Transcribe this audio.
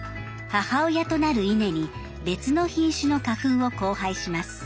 母親となる稲に別の品種の花粉を交配します。